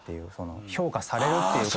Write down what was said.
評価されるってことが。